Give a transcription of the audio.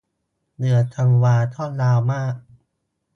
เดือนธันวาก็ยาวมาก